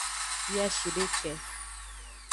Wiashideke.